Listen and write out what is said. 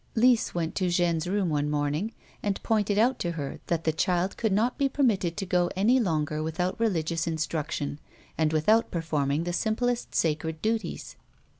Lise went to Jeanne's room one morning, and pointed out to her that the child could not be permitted to go any longer without religious instruction, and without performing the simplest sacred duties.